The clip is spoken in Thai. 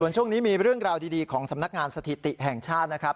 ช่วงนี้มีเรื่องราวดีของสำนักงานสถิติแห่งชาตินะครับ